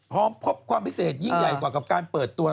พร้อมพบความพิเศษยิ่งใหญ่กว่ากับการเปิดตัว